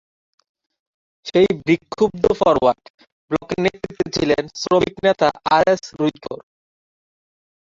সেই বিক্ষুব্ধ ফরওয়ার্ড ব্লকের নেতৃত্বে ছিলেন শ্রমিক নেতা আর এস রুইকর।